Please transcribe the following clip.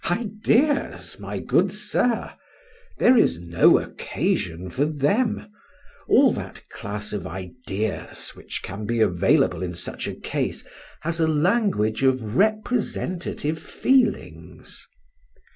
Ideas! my good sir? There is no occasion for them; all that class of ideas which can be available in such a case has a language of representative feelings.